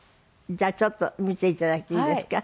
じゃあちょっと見ていただいていいですか？